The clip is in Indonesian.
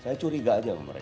saya curiga aja sama mereka